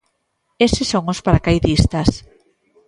Eses son os paracaidistas.